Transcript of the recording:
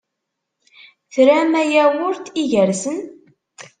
Tramt ayawurt igersen?